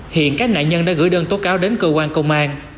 hiện các nạn nhân đã gửi đơn tố cáo đến cơ quan công an